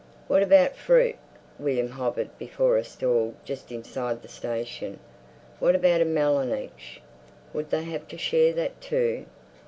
What about fruit? William hovered before a stall just inside the station. What about a melon each? Would they have to share that, too?